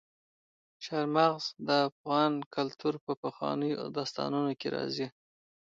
چار مغز د افغان کلتور په پخوانیو داستانونو کې راځي.